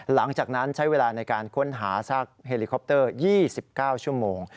หลังจากนั้นใช้เวลาในการค้นหาซากเฮลิคอปเตอร์๒๙ชั่วโมง